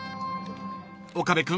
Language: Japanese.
［岡部君